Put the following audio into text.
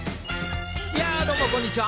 どうもこんにちは。